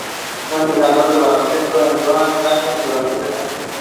Several fish farms are located around offshore.